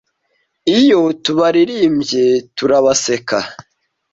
iyo tubaririmbye turabaseka